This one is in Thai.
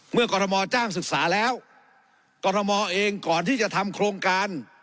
กรทมจ้างศึกษาแล้วกรทมเองก่อนที่จะทำโครงการ